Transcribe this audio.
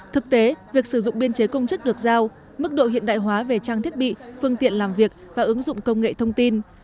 thực tế việc sử dụng biên chế công chức được giao mức độ hiện đại hóa về trang thiết bị phương tiện làm việc và ứng dụng công nghệ thông tin